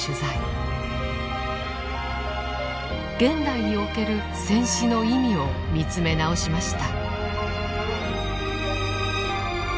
現代における戦死の意味を見つめ直しました。